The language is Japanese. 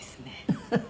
フフフ。